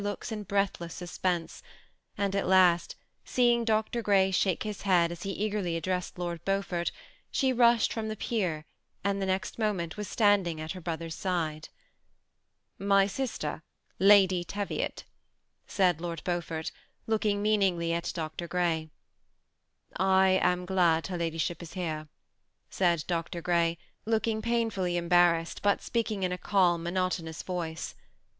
807 looks in breathless suspense, and at last seeing Dr. Grej shake his head as he eagerly addressed Lord Beaufort, she rushed from the pier, and the next moment was standing at her brother's side. << Mj sister, Ladj Teviot," said Lord Beaufort, look ing meaningly at Dr. Grey. ^I am glad her ladyship is here," said Dr. Grey, looking painfully embarrassed, but speaking in a calm, monotonous voice.